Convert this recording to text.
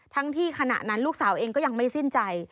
ทั้งที่ขณะนั้นลูกสาวเองก็ยังไม่สิ้นใจ